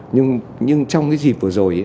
nhưng trong cái dịp vừa rồi